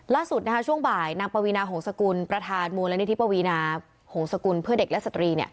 ช่วงบ่ายนางปวีนาหงษกุลประธานมูลนิธิปวีนาหงษกุลเพื่อเด็กและสตรี